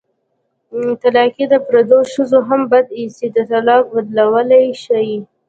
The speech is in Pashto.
طلاقي د پردو ښځو هم بد ايسي د طلاق بدوالی ښيي